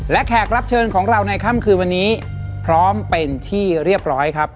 และแขกรับเชิญของเราในค่ำคืนวันนี้พร้อมเป็นที่เรียบร้อยครับ